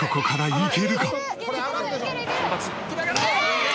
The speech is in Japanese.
「いけ！」